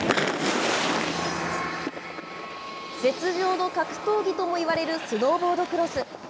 雪上の格闘技ともいわれる、スノーボードクロス。